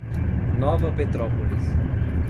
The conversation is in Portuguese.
Nova Petrópolis